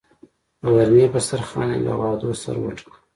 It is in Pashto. د غرمې پر دسترخان یې له وعدو سر وټکاوه.